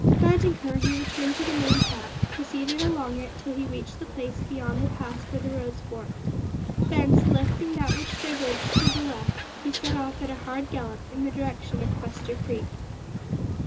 Mounting her he returned to the main track, proceeded along it until he reached the place beyond the pass where the roads forked; then, selecting that which diverged to the left, he set off at a hard gallop in the direction of Quester Creek.